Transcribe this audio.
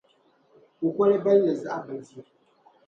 kukol’ balli zaɣ’ bilifu.